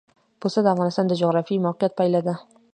پسه د افغانستان د جغرافیایي موقیعت پایله ده.